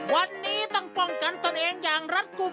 วันนี้ต้องป้องกันตนเองอย่างรัฐกลุ่ม